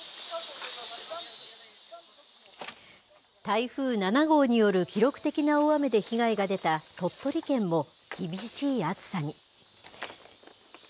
台風７号による記録的な大雨で被害が出た鳥取県も、厳しい暑さに。